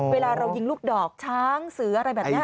เวลาเรายิงลูกดอกช้างเสืออะไรแบบนี้